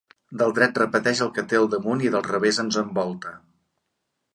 Del dret repeteix el que té al damunt i del revés ens envolta.